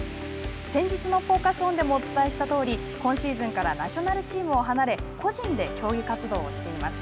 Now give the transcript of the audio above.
先週の「Ｆｏｃｕｓｏｎ」でもお伝えしたとおり今シーズンからナショナルチームを離れ個人で競技活動をしています。